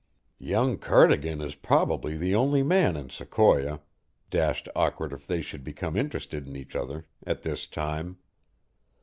"Young Cardigan is probably the only man in Sequoia dashed awkward if they should become interested in each other at this time.